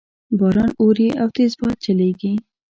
باران اوري او تیز باد چلیږي